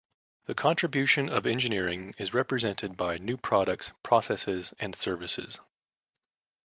The contribution of engineering is represented by new products, processes and services.